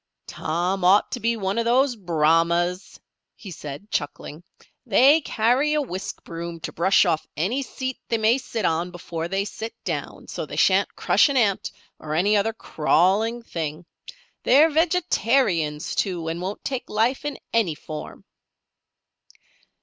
"Tom ought to be one of those Brahmas," he said, chuckling. "They carry a whisk broom to brush off any seat they may sit on before they sit down, so's they sha'n't crush an ant, or any other crawling thing. They're vegetarians, too, and won't take life in any form."